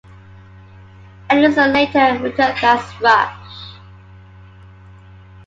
Idelson later returned as Rush.